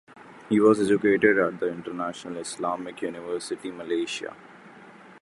He was educated at the International Islamic University Malaysia.